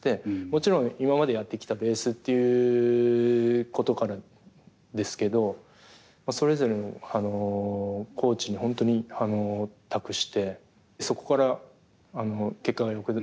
もちろん今までやってきたベースっていうことからですけどそれぞれのコーチに本当に託してそこから結果がよくなりました。